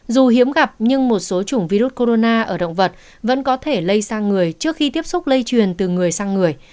dù hiếm gặp nhưng một số chủng virus corona ở động vật vẫn có thể lây sang người trước khi tiếp xúc lây truyền từ người sang người